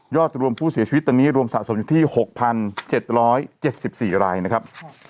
ยอดรวมผู้เสียชีวิตตอนนี้รวมสะสมอยู่ที่หกพันเก้าร้อยเจ็ดสิบสี่รายนะครับ